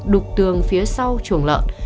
đục tường phía sau chuồng lợn